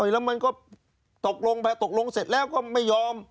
แล้วมันก็ตกลงไปตกลงเสร็จแล้วก็ไม่ยอม